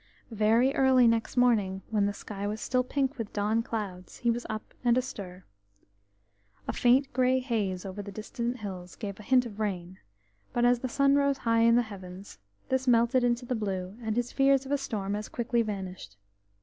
Very early next morning, when the sky was still pink with dawn clouds, he was up and astir. A faint grey haze over the distant hills gave a hint of rain, but as the sun rose high in the heavens, this melted into the blue, and his fears of a storm as quickly vanished.